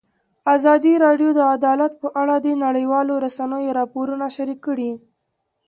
ازادي راډیو د عدالت په اړه د نړیوالو رسنیو راپورونه شریک کړي.